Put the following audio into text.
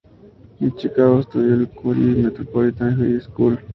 En Chicago estudió en el Curie Metropolitan High School.